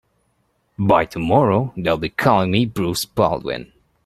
By tomorrow they'll be calling me Bruce Baldwin.